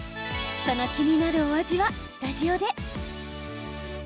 その気になるお味はスタジオで。